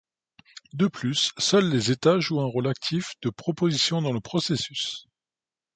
De plus seuls les États jouent un rôle actif de proposition dans le processus.